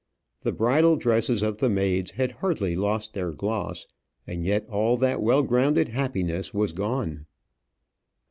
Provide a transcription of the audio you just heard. The bridal dresses of the maids had hardly lost their gloss, and yet all that well grounded happiness was gone.